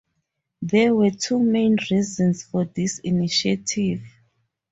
There were two main reasons for this initiative.